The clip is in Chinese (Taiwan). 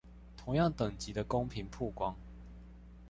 同樣等級的公平曝光